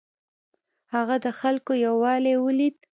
هغه د خلکو یووالی ولید.